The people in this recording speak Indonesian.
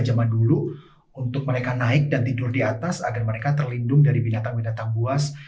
zaman dulu untuk mereka naik dan tidur di atas agar mereka terlindung dari binatang binatang buas